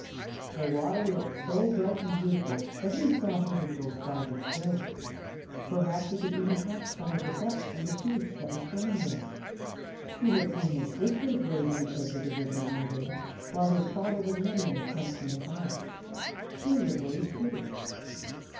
The water looked so bright and beautiful that he thought he would go farther still. Perhaps he could even catch some of the Ducks and Geese that were swimming there. He had seen his sisters wade in the edge of the river one day, while his father was mending a fence near by. He would wade, too.